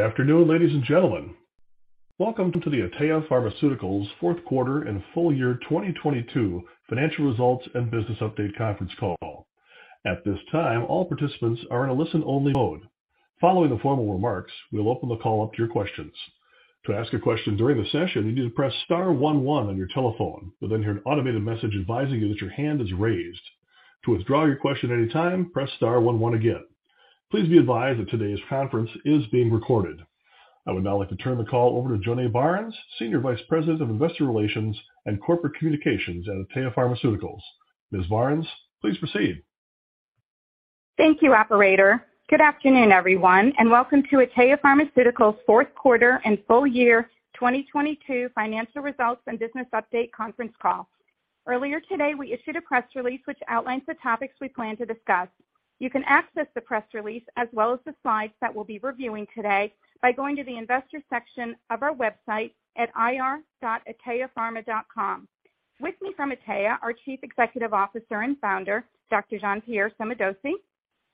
Good afternoon, ladies and gentlemen. Welcome to the Atea Pharmaceuticals fourth quarter and full year 2022 financial results and business update conference call. At this time, all participants are in a listen-only mode. Following the formal remarks, we will open the call up to your questions. To ask a question during the session, you need to press star one one on your telephone. You'll then hear an automated message advising you that your hand is raised. To withdraw your question at any time, press star one one again. Please be advised that today's conference is being recorded. I would now like to turn the call over to Jonae Barnes, Senior Vice President of Investor Relations and Corporate Communications at Atea Pharmaceuticals. Ms. Barnes, please proceed. Thank you, operator. Good afternoon, everyone, and welcome to Atea Pharmaceuticals fourth quarter and full year 2022 financial results and business update conference call. Earlier today, we issued a press release which outlines the topics we plan to discuss. You can access the press release as well as the slides that we'll be reviewing today by going to the investor section of our website at ir.ateapharma.com. With me from Atea, our Chief Executive Officer and Founder, Dr. Jean-Pierre Sommadossi;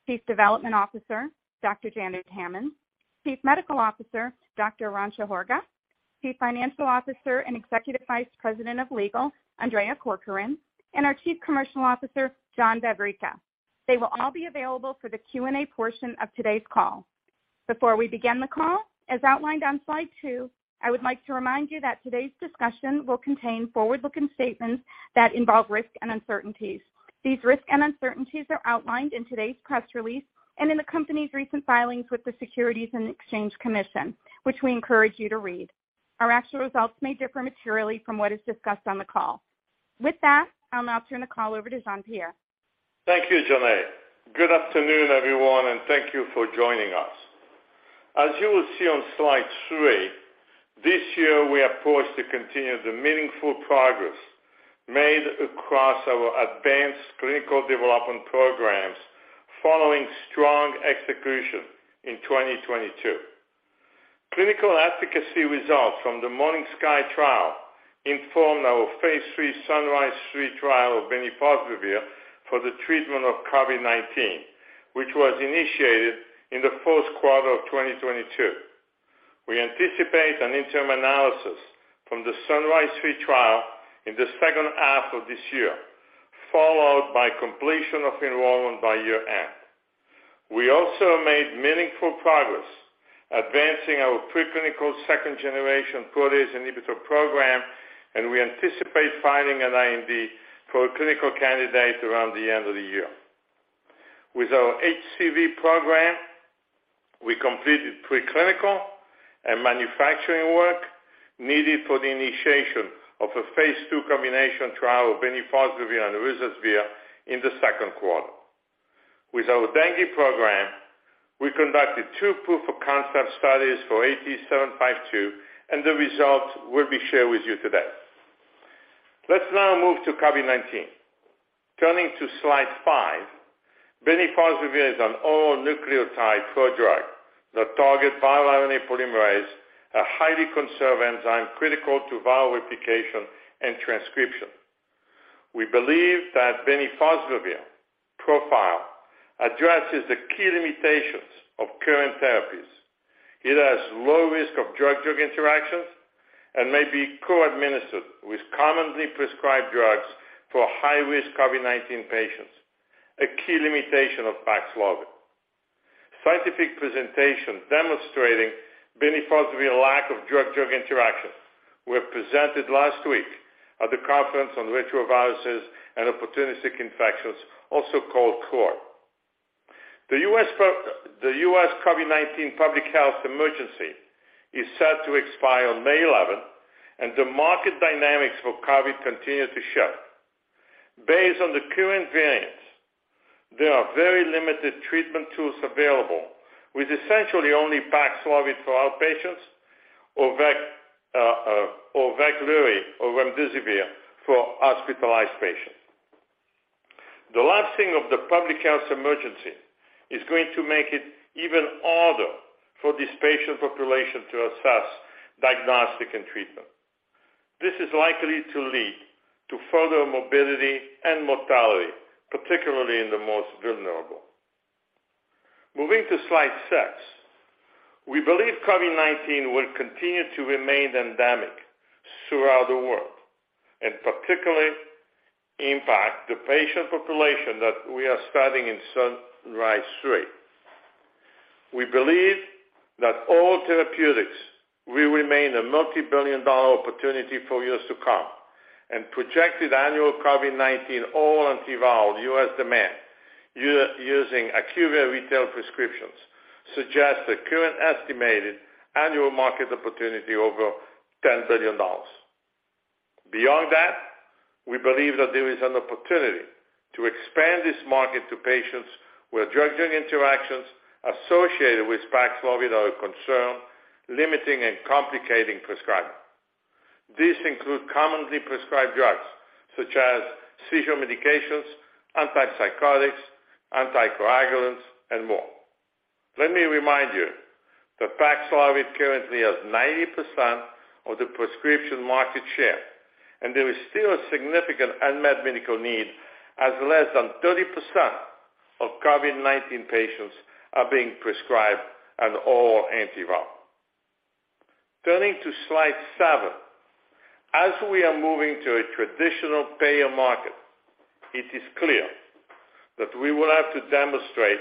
Chief Development Officer, Dr. Janet Hammond; Chief Medical Officer, Dr. Arantxa Horga; Chief Financial Officer and Executive Vice President of Legal, Andrea Corcoran; and our Chief Commercial Officer, John Vavricka. They will all be available for the Q&A portion of today's call. Before we begin the call, as outlined on slide two, I would like to remind you that today's discussion will contain forward-looking statements that involve risk and uncertainties. These risks and uncertainties are outlined in today's press release and in the company's recent filings with the Securities and Exchange Commission, which we encourage you to read. Our actual results may differ materially from what is discussed on the call. With that, I'll now turn the call over to Jean-Pierre. Thank you, Jonae. Good afternoon, everyone, and thank you for joining us. As you will see on slide three, this year we are poised to continue the meaningful progress made across our advanced clinical development programs following strong execution in 2022. Clinical efficacy results from the MORNINGSKY trial informed our phase III SUNRISE-3 trial of bemnifosbuvir for the treatment of COVID-19, which was initiated in the first quarter of 2022. We anticipate an interim analysis from the SUNRISE-3 trial in the second half of this year, followed by completion of enrollment by year-end. We also made meaningful progress advancing our preclinical second generation protease inhibitor program, and we anticipate filing an IND for a clinical candidate around the end of the year. With our HCV program, we completed preclinical and manufacturing work needed for the initiation of a phase II combination trial of bemnifosbuvir and ruzasvir in the second quarter. With our dengue program, we conducted two proof of concept studies for AT-752, the results will be shared with you today. Let's now move to COVID-19. Turning to slide five, bemnifosbuvir is an all-nucleotide prodrug that targets viral RNA polymerase, a highly conserved enzyme critical to viral replication and transcription. We believe that bemnifosbuvir profile addresses the key limitations of current therapies. It has low risk of drug-drug interactions and may be co-administered with commonly prescribed drugs for high-risk COVID-19 patients, a key limitation of Paxlovid. Scientific presentation demonstrating bemnifosbuvir lack of drug-drug interactions were presented last week at the Conference on Retroviruses and Opportunistic Infections, also called CROI. The U.S. COVID-19 public health emergency is set to expire on May eleventh, and the market dynamics for COVID continue to shift. Based on the current variants, there are very limited treatment tools available, with essentially only Paxlovid for outpatients or Veklury or remdesivir for hospitalized patients. The last thing of the public health emergency is going to make it even harder for this patient population to access diagnostic and treatment. This is likely to lead to further morbidity and mortality, particularly in the most vulnerable. Moving to slide six. We believe COVID-19 will continue to remain endemic throughout the world and particularly impact the patient population that we are studying in SUNRISE-3. We believe that all therapeutics will remain a multi-billion dollar opportunity for years to come. Projected annual COVID-19 all antiviral U.S. demand using IQVIA retail prescriptions suggest a current estimated annual market opportunity over $10 billion. Beyond that, we believe that there is an opportunity to expand this market to patients where drug-drug interactions associated with Paxlovid are a concern, limiting and complicating prescribing. These include commonly prescribed drugs such as seizure medications, antipsychotics, anticoagulants and more. Let me remind you that Paxlovid currently has 90% of the prescription market share. There is still a significant unmet medical need, as less than 30% of COVID-19 patients are being prescribed an oral antiviral. Turning to slide seven, as we are moving to a traditional payer market, it is clear that we will have to demonstrate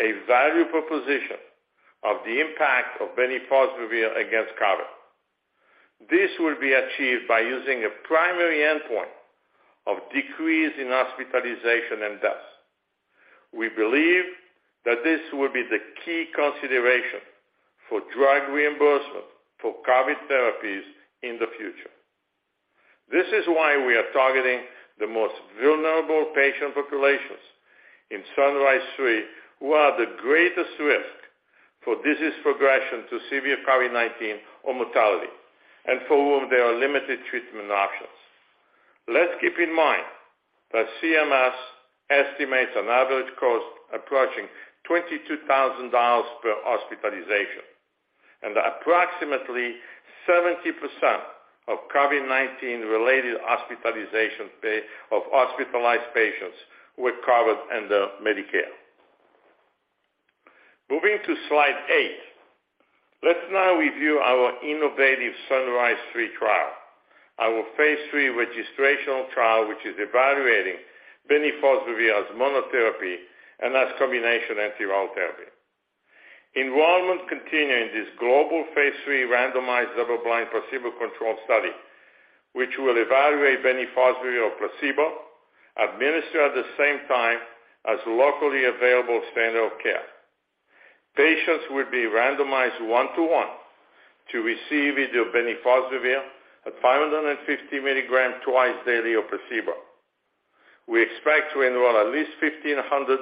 a value proposition of the impact of bemnifosbuvir against COVID. This will be achieved by using a primary endpoint of decrease in hospitalization and deaths. We believe that this will be the key consideration for drug reimbursement for COVID therapies in the future. This is why we are targeting the most vulnerable patient populations in SUNRISE-3, who are the greatest risk for disease progression to severe COVID-19 or mortality, and for whom there are limited treatment options. Let's keep in mind that CMS estimates an average cost approaching $22,000 per hospitalization and approximately 70% of COVID-19 related hospitalizations of hospitalized patients were covered under Medicare. Moving to slide eight. Let's now review our innovative SUNRISE-3 trial, our phase III registrational trial which is evaluating bemnifosbuvir as monotherapy and as combination antiviral therapy. Enrollment continue in this global phase III randomized double-blind placebo-controlled study, which will evaluate bemnifosbuvir or placebo administered at the same time as locally available standard of care. Patients will be randomized 1 to 1 to receive either bemnifosbuvir at 550 mg twice daily or placebo. We expect to enroll at least 1,500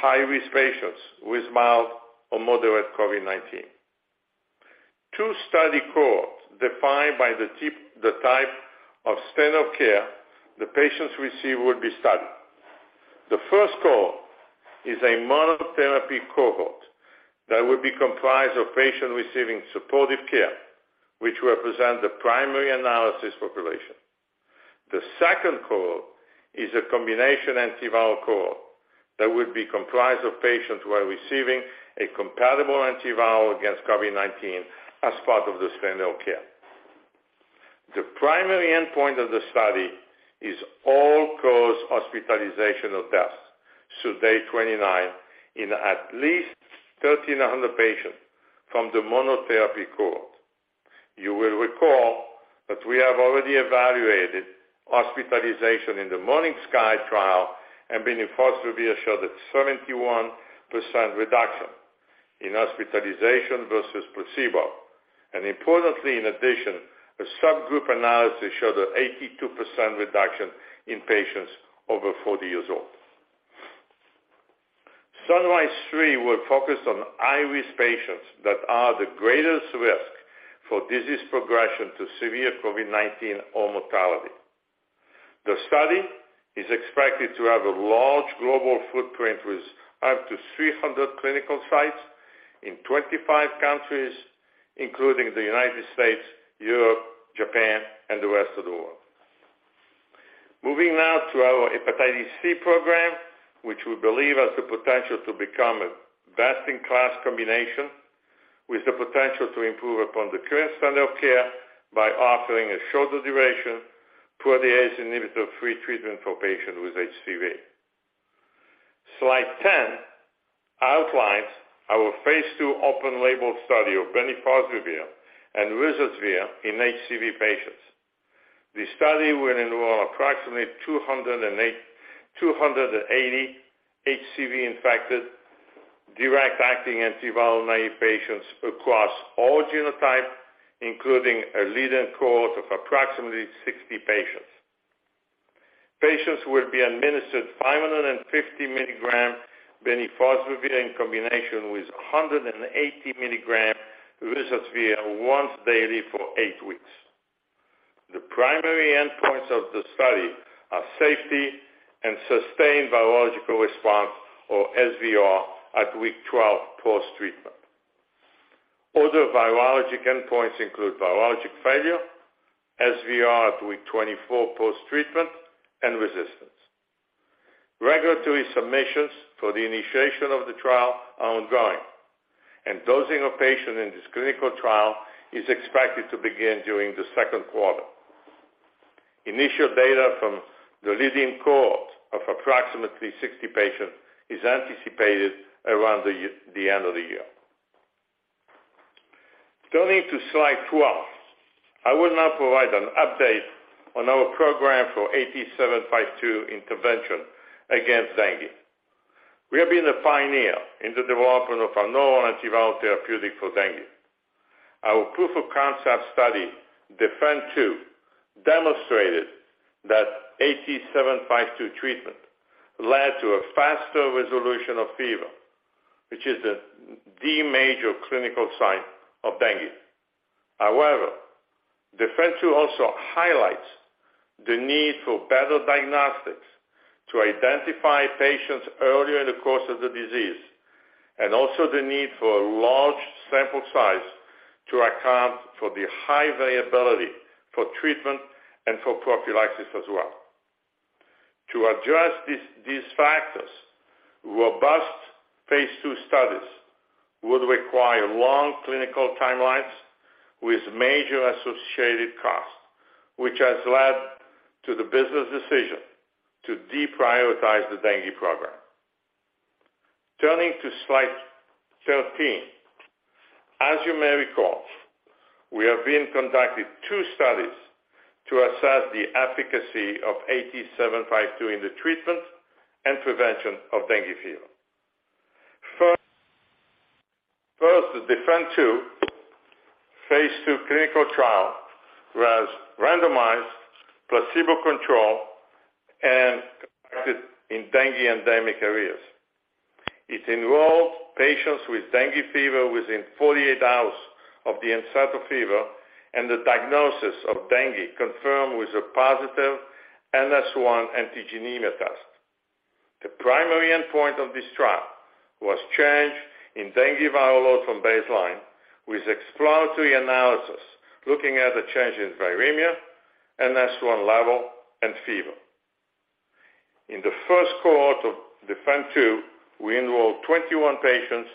high-risk patients with mild or moderate COVID-19. Two study cohorts defined by the type of standard care the patients receive will be studied. The first cohort is a monotherapy cohort that will be comprised of patients receiving supportive care, which represent the primary analysis population. The second cohort is a combination antiviral cohort that will be comprised of patients who are receiving a compatible antiviral against COVID-19 as part of the standard of care. The primary endpoint of the study is all cause hospitalization or death through day 29 in at least 1,300 patients from the monotherapy cohort. You will recall that we have already evaluated hospitalization in the MORNINGSKY trial. bemnifosbuvir showed a 71% reduction in hospitalization versus placebo. Importantly, in addition, a subgroup analysis showed a 82% reduction in patients over 40 years old. SUNRISE-3 will focus on high-risk patients that are the greatest risk for disease progression to severe COVID-19 or mortality. The study is expected to have a large global footprint, with up to 300 clinical sites in 25 countries, including the United States, Europe, Japan, and the rest of the world. Moving now to our hepatitis C program, which we believe has the potential to become a best-in-class combination, with the potential to improve upon the current standard of care by offering a shorter duration protease inhibitor-free treatment for patients with HCV. Slide 10 outlines our phase II open label study of bemnifosbuvir and ruzasvir in HCV patients. The study will enroll approximately 280 HCV infected direct acting antiviral-naive patients across all genotypes, including a lead-in cohort of approximately 60 patients. Patients will be administered 550 mg bemnifosbuvir in combination with 180 mg ruzasvir once daily for eight weeks. The primary endpoints of the study are safety and sustained virologic response or SVR at week 12 post-treatment. Other virologic endpoints include virologic failure, SVR at week 24 post-treatment, and resistance. Regulatory submissions for the initiation of the trial are ongoing and dosing of patients in this clinical trial is expected to begin during the second quarter. Initial data from the lead-in cohort of approximately 60 patients is anticipated around the end of the year. Turning to slide 12. I will now provide an update on our program for AT-752 intervention against dengue. We have been a pioneer in the development of our novel antiviral therapeutic for dengue. Our proof of concept study, DEFEND-2, demonstrated that AT-752 treatment led to a faster resolution of fever, which is the major clinical sign of dengue. DEFEND-2 also highlights the need for better diagnostics to identify patients early in the course of the disease, and also the need for a large sample size to account for the high variability for treatment and for prophylaxis as well. To address these factors, robust phase II studies would require long clinical timelines with major associated costs, which has led to the business decision to deprioritize the dengue program. Turning to slide 13. As you may recall, we have been conducting two studies to assess the efficacy of AT-752 in the treatment and prevention of dengue fever. First, the DEFEND-2 phase II clinical trial was randomized, placebo-controlled, and conducted in dengue endemic areas. It involved patients with dengue fever within 48 hours of the onset of fever, and the diagnosis of dengue confirmed with a positive NS1 antigenemia test. The primary endpoint of this trial was changed in dengue viral load from baseline, with exploratory analysis looking at the change in viremia, NS1 level, and fever. In the first cohort of DEFEND-2, we enrolled 21 patients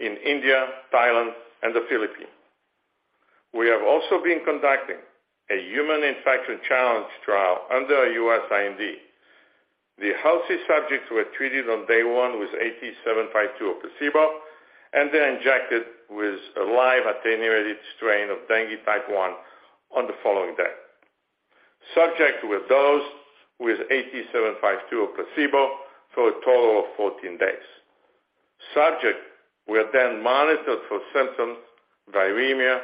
in India, Thailand, and the Philippines. We have also been conducting a human infection challenge trial under a U.S. IND. The healthy subjects were treated on day one with AT-752 or placebo and then injected with a live attenuated strain of dengue type 1 on the following day. Subjects were dosed with AT-752 or placebo for a total of 14 days. Subjects were monitored for symptoms, viremia,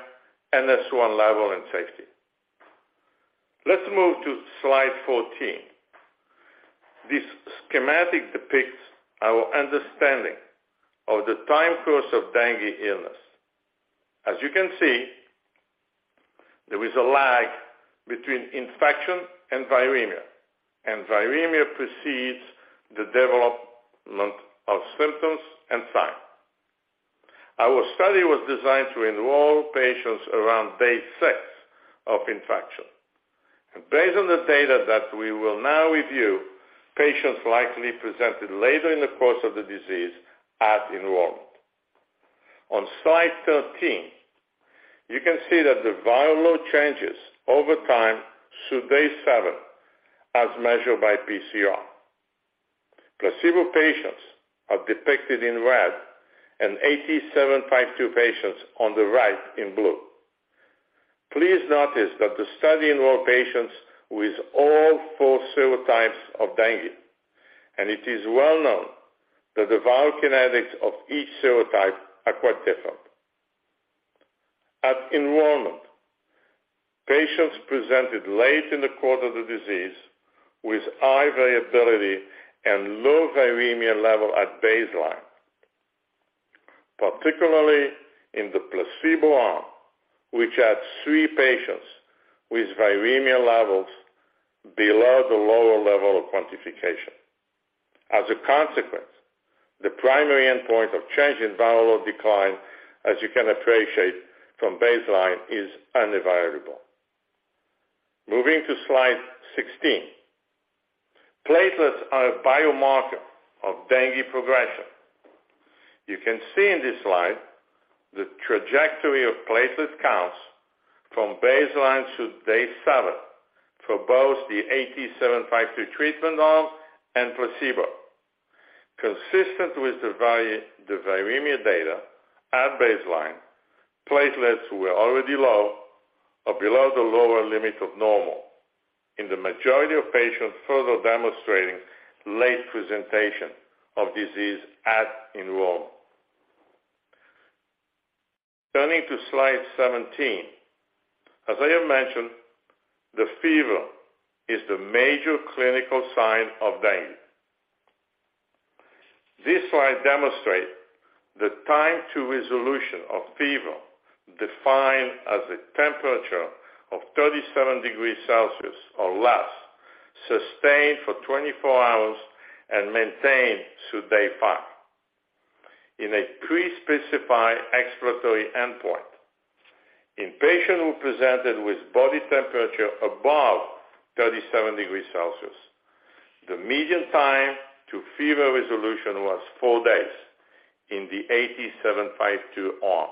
NS1 level, and safety. Let's move to slide 14. This schematic depicts our understanding of the time course of dengue illness. As you can see, there is a lag between infection and viremia. Viremia precedes the development of symptoms and sign. Our study was designed to enroll patients around day six of infection. Based on the data that we will now review, patients likely presented later in the course of the disease at enrollment. On slide 13, you can see that the viral load changes over time through day seven as measured by PCR. Placebo patients are depicted in red and AT-752 patients on the right in blue. Please notice that the study enrolled patients with all four serotypes of dengue, it is well known that the viral kinetics of each serotype are quite different. At enrollment, patients presented late in the course of the disease with high variability and low viremia level at baseline, particularly in the placebo arm, which had three patients with viremia levels below the lower level of quantification. As a consequence, the primary endpoint of change in viral load decline, as you can appreciate from baseline, is unevaluable. Moving to slide 16. Platelets are a biomarker of dengue progression. You can see in this slide the trajectory of platelet counts from baseline through day seven for both the AT-752 treatment arm and placebo. Consistent with the viremia data at baseline, platelets were already low or below the lower limit of normal in the majority of patients, further demonstrating late presentation of disease at enrollment. Turning to slide 17. I have mentioned, the fever is the major clinical sign of dengue. This slide demonstrates the time to resolution of fever, defined as a temperature of 37 degrees Celsius or less, sustained for 24 hours and maintained through day five in a prespecified exploratory endpoint. In patients who presented with body temperature above 37 degrees Celsius, the median time to fever resolution was four days in the AT-752 arm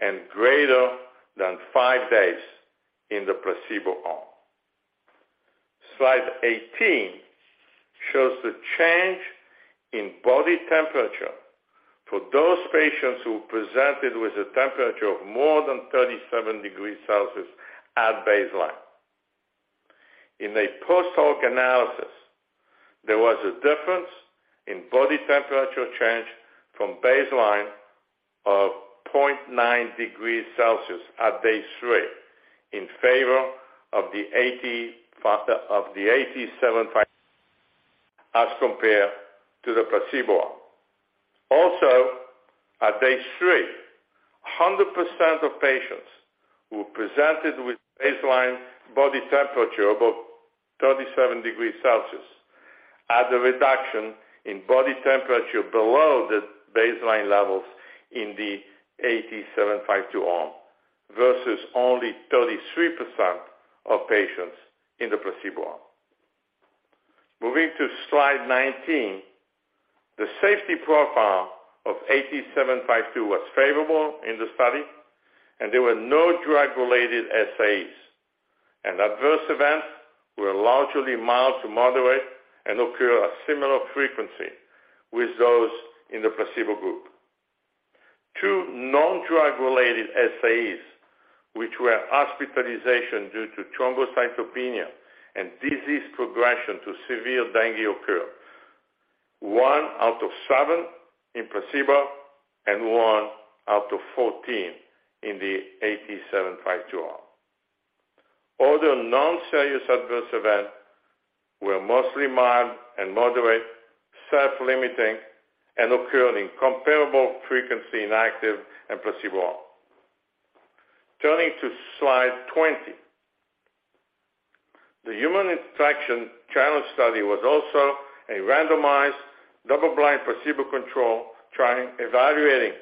and greater than five days in the placebo arm. Slide 18 shows the change in body temperature for those patients who presented with a temperature of more than 37 degrees Celsius at baseline. In a post hoc analysis, there was a difference in body temperature change from baseline of 0.9 degrees Celsius at day three in favor of the AT-752 compared to the placebo. Also, at day three, 100% of patients who presented with baseline body temperature above 37 degrees Celsius had a reduction in body temperature below the baseline levels in the AT-752 arm versus only 33% of patients in the placebo arm. Moving to slide 19, the safety profile of AT-752 was favorable in the study and there were no drug-related SAEs, and adverse events were largely mild to moderate and occur a similar frequency with those in the placebo group. Two non-drug related SAEs, which were hospitalization due to thrombocytopenia and disease progression to severe dengue occur. One out of seven in placebo and 1 out of 14 in the AT-752 arm. Other non-serious adverse events were mostly mild and moderate, self-limiting, and occurred in comparable frequency in active and placebo arm. Turning to slide 20. The human infection challenge study was also a randomized double-blind placebo-controlled trial evaluating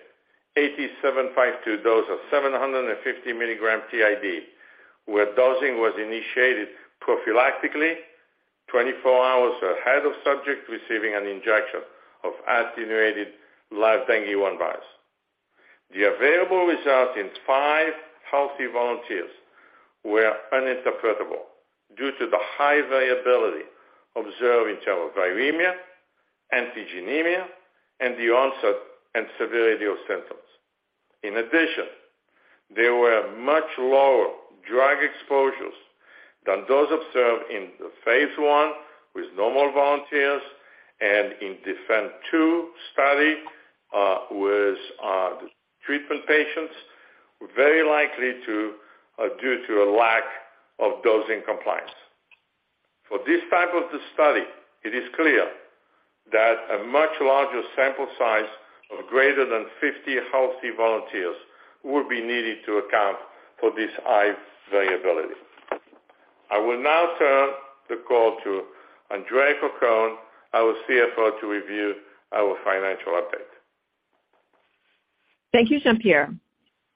AT-752 dose of 750 mg TID, where dosing was initiated prophylactically 24 hours ahead of subject receiving an injection of attenuated live dengue 1 virus. The available results in five healthy volunteers were uninterpretable due to the high variability observed in terms of viremia, antigenemia, and the onset and severity of symptoms. In addition, there were much lower drug exposures than those observed in the phase I with normal volunteers and in DEFEND-2 study, with the treatment patients were very likely to due to a lack of dosing compliance. For this type of the study, it is clear that a much larger sample size of greater than 50 healthy volunteers will be needed to account for this high variability. I will now turn the call to Andrea Corcoran, our CFO, to review our financial update. Thank you, Jean-Pierre.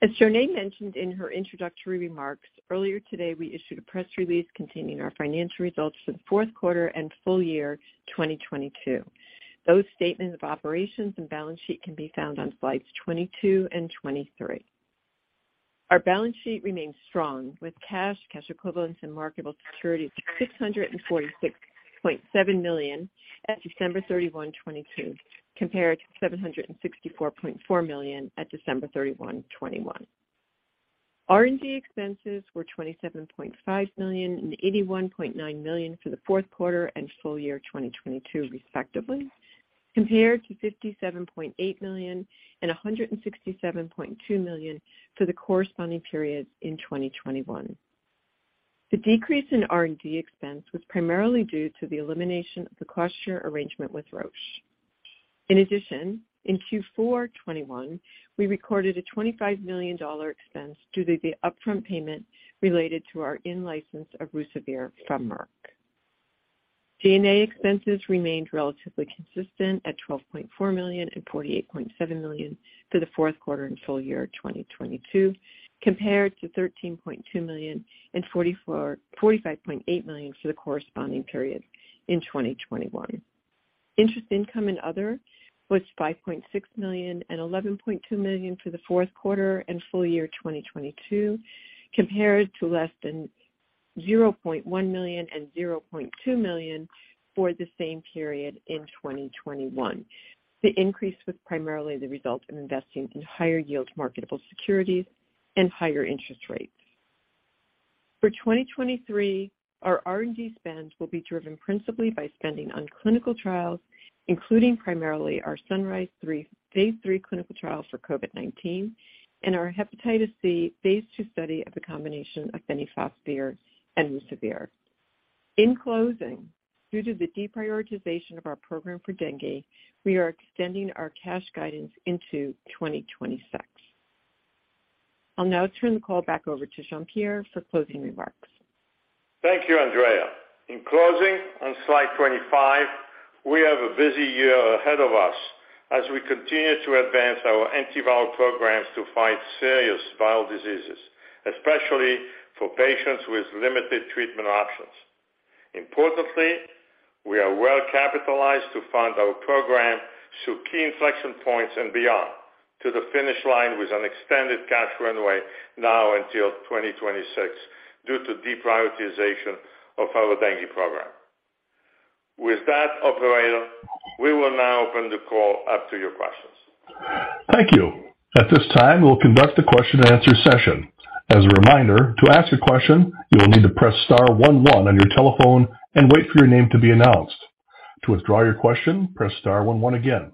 As Jonae mentioned in her introductory remarks, earlier today we issued a press release containing our financial results for the fourth quarter and full year 2022. Those statements of operations and balance sheet can be found on slides 22 and 23. Our balance sheet remains strong with cash equivalents, and marketable securities $646.7 million at December 31, 2022, compared to $764.4 million at December 31, 2021. R&D expenses were $27.5 million and $81.9 million for the fourth quarter and full year 2022 respectively, compared to $57.8 million and $167.2 million for the corresponding periods in 2021. The decrease in R&D expense was primarily due to the elimination of the cost share arrangement with Roche. In addition, in Q4 2021, we recorded a $25 million expense due to the upfront payment related to our in-license of ruzasvir from Merck. G&A expenses remained relatively consistent at $12.4 million and $48.7 million for the fourth quarter and full year 2022, compared to $13.2 million and $45.8 million for the corresponding period in 2021. Interest income and other was $5.6 million and $11.2 million for the fourth quarter and full year 2022, compared to less than $0.1 million and $0.2 million for the same period in 2021. The increase was primarily the result of investing in higher yield marketable securities and higher interest rates. For 2023, our R&D spend will be driven principally by spending on clinical trials, including primarily our SUNRISE-3 phase III clinical trial for COVID-19 and our hepatitis C phase II study of the combination of bemnifosbuvir and ruzasvir. In closing, due to the deprioritization of our program for dengue, we are extending our cash guidance into 2026. I'll now turn the call back over to Jean-Pierre for closing remarks. Thank you, Andrea. In closing, on slide 25, we have a busy year ahead of us as we continue to advance our antiviral programs to fight serious viral diseases, especially for patients with limited treatment options. Importantly, we are well capitalized to fund our program through key inflection points and beyond to the finish line with an extended cash runway now until 2026 due to deprioritization of our dengue program. With that, operator, we will now open the call up to your questions. Thank you. At this time, we'll conduct a question and answer session. As a reminder, to ask a question, you will need to press star one one on your telephone and wait for your name to be announced. To withdraw your question, press star one one again.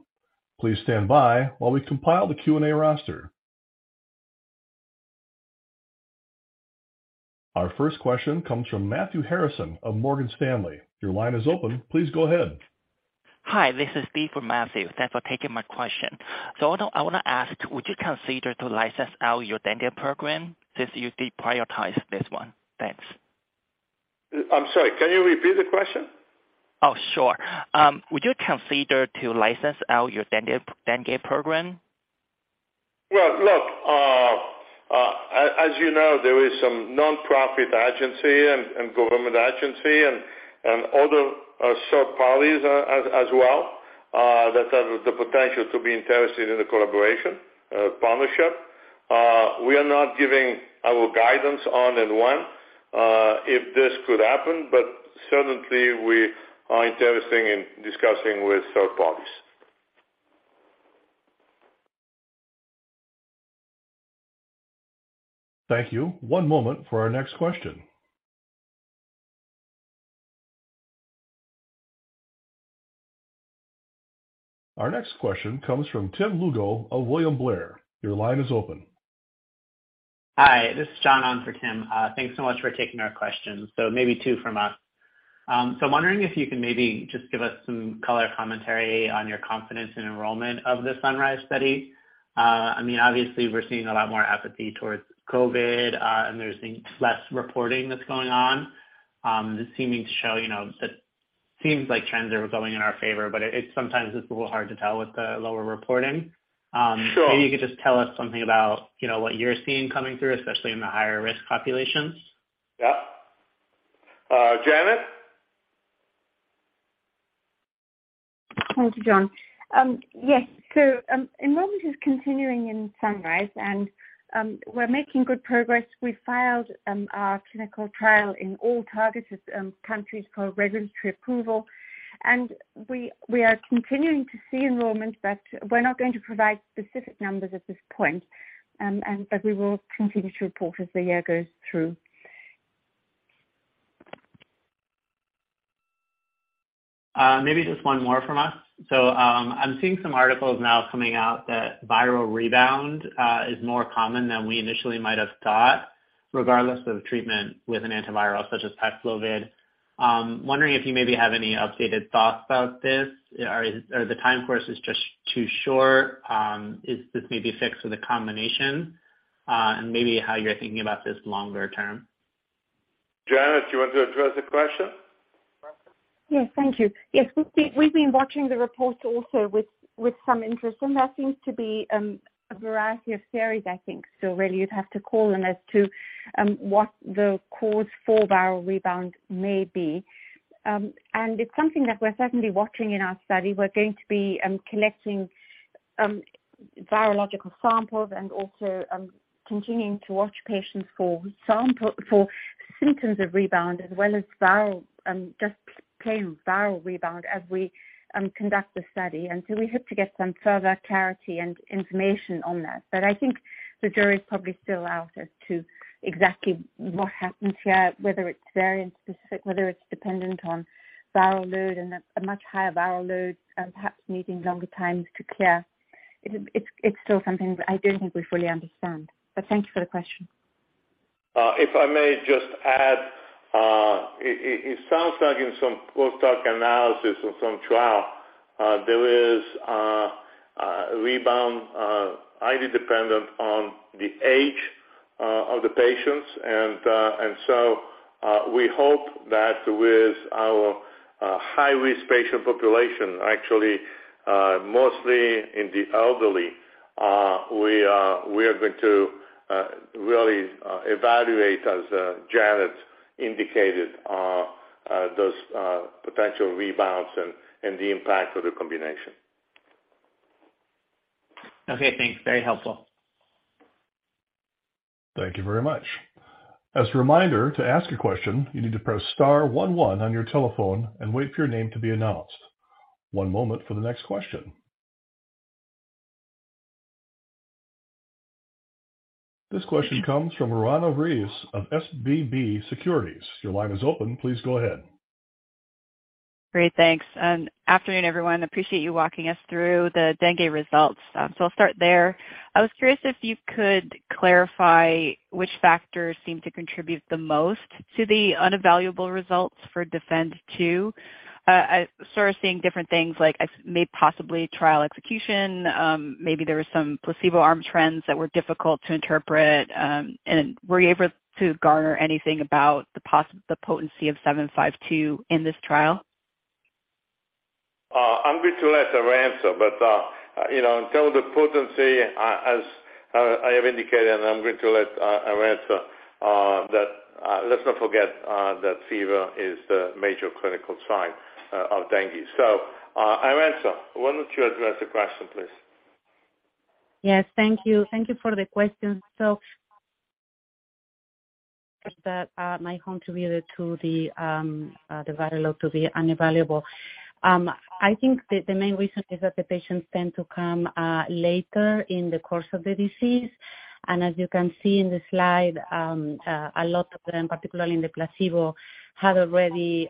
Please stand by while we compile the Q&A roster. Our first question comes from Matthew Harrison of Morgan Stanley. Your line is open. Please go ahead. Hi, this is Steve from Morgan Stanley. Thanks for taking my question. I want to ask, would you consider to license out your dengue program since you deprioritize this one? Thanks. I'm sorry. Can you repeat the question? Sure. Would you consider to license out your dengue program? Well, look, as you know, there is some nonprofit agency and government agency and other, third parties as well, that have the potential to be interested in the collaboration, partnership. We are not giving our guidance on in one, if this could happen, but certainly we are interesting in discussing with third parties. Thank you. One moment for our next question. Our next question comes from Tim Lugo of William Blair. Your line is open. Hi, this is John on for Tim. Thanks so much for taking our questions. Maybe two from us. I'm wondering if you can maybe just give us some color commentary on your confidence in enrollment of the SUNRISE study. I mean, obviously we're seeing a lot more apathy towards COVID, and there's less reporting that's going on. This seeming to show, you know, that seems like trends are going in our favor, but it sometimes it's a little hard to tell with the lower reporting. Sure. Maybe you could just tell us something about, you know, what you're seeing coming through, especially in the higher risk populations. Yeah. Janet? Thanks, John. Yes. Enrollment is continuing in SUNRISE and we're making good progress. We filed our clinical trial in all targeted countries for regulatory approval. We are continuing to see enrollment, but we're not going to provide specific numbers at this point. We will continue to report as the year goes through. Maybe just one more from us. I'm seeing some articles now coming out that viral rebound is more common than we initially might have thought, regardless of treatment with an antiviral such as Paxlovid. Wondering if you maybe have any updated thoughts about this, or is the time course just too short, is this maybe fixed with a combination, and maybe how you're thinking about this longer term? Janet, do you want to address the question? Yes, thank you. Yes, we've been watching the reports also with some interest. There seems to be a variety of theories, I think. Really you'd have to call on as to what the cause for viral rebound may be. It's something that we're certainly watching in our study. We're going to be collecting virological samples and also continuing to watch patients for symptoms of rebound as well as viral, just plain viral rebound as we conduct the study. We hope to get some further clarity and information on that. I think the jury is probably still out as to exactly what happens here, whether it's variant specific, whether it's dependent on viral load and a much higher viral load, perhaps needing longer times to clear. It's still something I don't think we fully understand. Thank you for the question. Uh, if I may just add, uh, it, it, it sounds like in some post-hoc analysis on some trial, uh, there is, uh, a rebound, uh, highly dependent on the age, uh, of the patients. And, uh, and so, uh, we hope that with our, uh, high-risk patient population, actually, uh, mostly in the elderly, uh, we are, we are going to, uh, really, uh, evaluate as, uh, Janet indicated, uh, uh, those, uh, potential rebounds and, and the impact of the combination. Okay, thanks. Very helpful. Thank you very much. As a reminder to ask a question, you need to press star one one on your telephone and wait for your name to be announced. One moment for the next question. This question comes from Roanna Ruiz of SVB Securities. Your line is open. Please go ahead. Great, thanks. Afternoon, everyone. Appreciate you walking us through the dengue results. I'll start there. I was curious if you could clarify which factors seem to contribute the most to the unevaluable results for DEFEND-2. I sort of seeing different things like maybe possibly trial execution, maybe there were some placebo arm trends that were difficult to interpret. Were you able to garner anything about the potency of AT-752 in this trial? I'm going to let Irene answer, but, you know, in terms of the potency, as I have indicated, and I'm going to let Irene answer, that, let's not forget, that fever is the major clinical sign of dengue. Arantxa, why don't you address the question, please? Yes, thank you. Thank you for the question. That might contribute to the viral load to be unevaluable. I think the main reason is that the patients tend to come later in the course of the disease. As you can see in the slide, a lot of them, particularly in the placebo, had already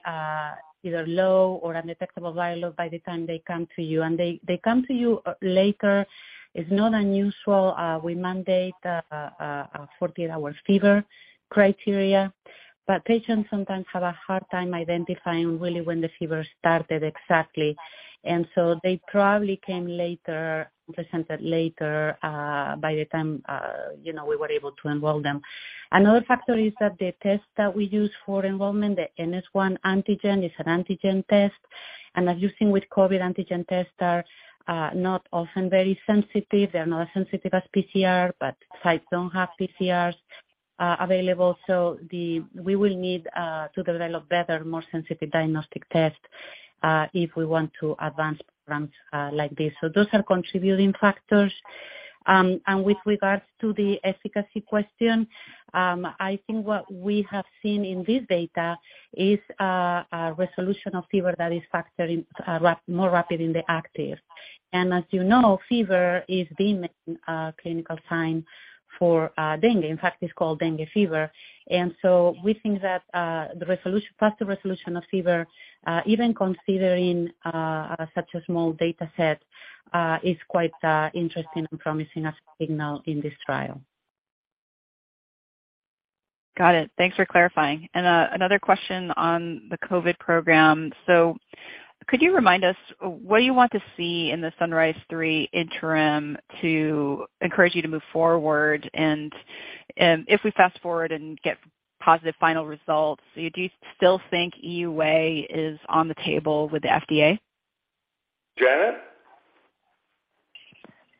either low or undetectable viral load by the time they come to you. They come to you later. It's not unusual. We mandate a 48-hour fever criteria. Patients sometimes have a hard time identifying really when the fever started exactly. They probably came later, presented later, by the time, you know, we were able to enroll them. Another factor is that the test that we use for enrollment, the NS1 antigen, is an antigen test. As you've seen with COVID, antigen tests are not often very sensitive. They're not as sensitive as PCR, but sites don't have PCRs available, so we will need to develop better, more sensitive diagnostic tests if we want to advance programs like this. Those are contributing factors. With regards to the efficacy question, I think what we have seen in this data is a resolution of fever that is factoring, more rapid in the active. As you know, fever is the main clinical sign for dengue. In fact, it's called dengue fever. We think that the faster resolution of fever, even considering such a small data set, is quite interesting and promising as signal in this trial. Got it. Thanks for clarifying. Another question on the COVID program. Could you remind us what you want to see in the SUNRISE-3 interim to encourage you to move forward? If we fast-forward and get positive final results, do you still think EUA is on the table with the FDA? Janet?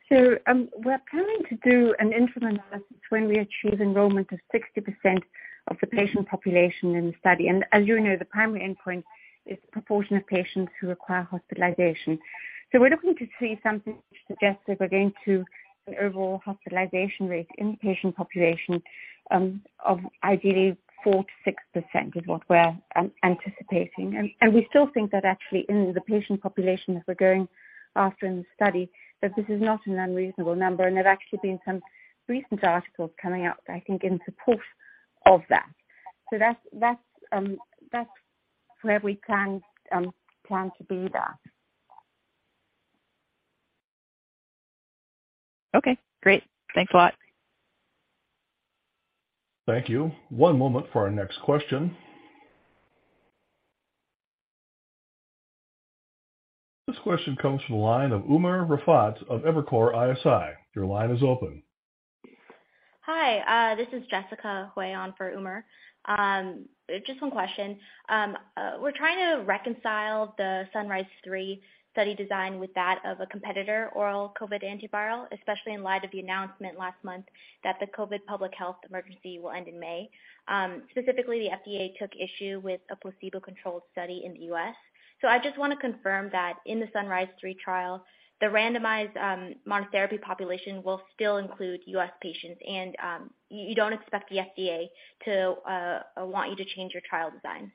We're planning to do an interim analysis when we achieve enrollment of 60% of the patient population in the study. As you know, the primary endpoint is proportion of patients who require hospitalization. We're looking to see something which suggests that we're getting to an overall hospitalization rate in the patient population of ideally 4%-6% is what we're anticipating. We still think that actually in the patient population that we're going after in the study, that this is not an unreasonable number. There's actually been some recent articles coming out, I think, in support of that. That's where we plan to be there. Okay, great. Thanks a lot. Thank you. One moment for our next question. This question comes from the line of Umer Raffat of Evercore ISI. Your line is open. Hi, this is Jessica Hui on for Umar. Just one question. We're trying to reconcile the SUNRISE-3 study design with that of a competitor oral COVID antiviral, especially in light of the announcement last month that the COVID public health emergency will end in May. Specifically, the FDA took issue with a placebo-controlled study in the U.S. I just wanna confirm that in the SUNRISE-3 trial, the randomized, monotherapy population will still include U.S. patients and you don't expect the FDA to want you to change your trial design.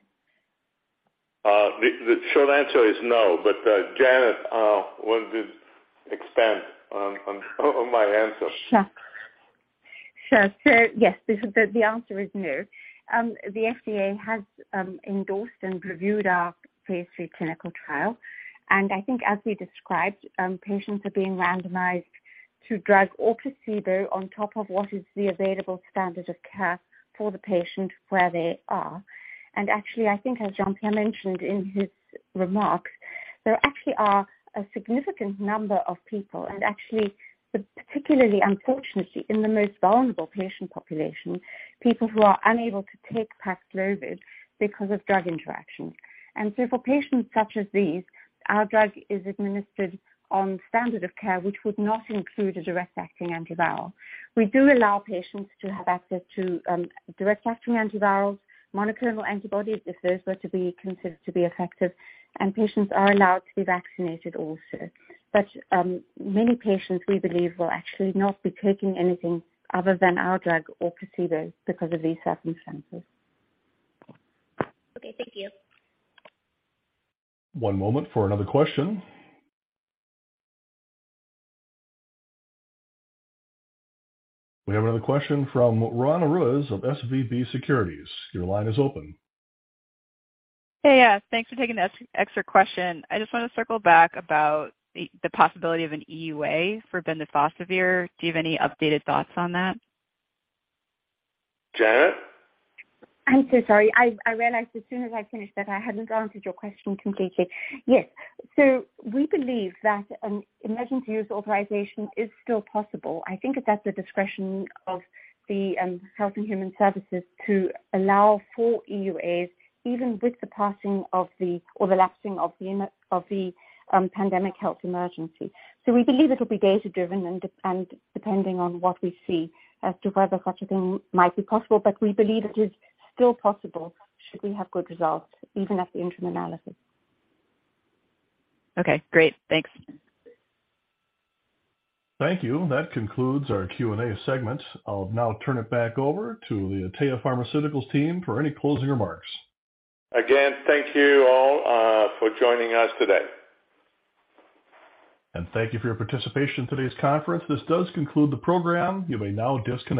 The short answer is no, but Janet wanted to expand on my answer. Sure. Yes, the answer is no. The FDA has endorsed and reviewed our phase III clinical trial, and I think as we described, patients are being randomized to drug or placebo on top of what is the available standard of care for the patient where they are. Actually, I think as Jean-Pierre mentioned in his remarks, there actually are a significant number of people, and actually, particularly unfortunately, in the most vulnerable patient population, people who are unable to take Paxlovid because of drug interactions. For patients such as these, our drug is administered on standard of care, which would not include a direct-acting antiviral. We do allow patients to have access to direct-acting antivirals, monoclonal antibodies, if those were to be considered to be effective, and patients are allowed to be vaccinated also. Many patients, we believe, will actually not be taking anything other than our drug or placebo because of these circumstances. Okay, thank you. One moment for another question. We have another question from Roanna Ruiz of SVB Securities. Your line is open. Hey. Yeah, thanks for taking this extra question. I just wanna circle back about the possibility of an EUA for bemnifosbuvir. Do you have any updated thoughts on that? Janet? I'm so sorry. I realized as soon as I finished that I hadn't answered your question completely. Yes. We believe that an emergency use authorization is still possible. I think that that's a discretion of the Health and Human Services to allow for EUAs, even with the passing of the or the lapsing of the pandemic health emergency. We believe it'll be data-driven and depending on what we see as to whether such a thing might be possible. We believe it is still possible should we have good results, even at the interim analysis. Okay, great. Thanks. Thank you. That concludes our Q&A segment. I'll now turn it back over to the Atea Pharmaceuticals team for any closing remarks. Again, thank you all, for joining us today. Thank you for your participation in today's conference. This does conclude the program. You may now disconnect.